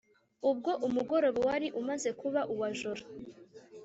ubwo umugoroba wari umaze kuba uwajoro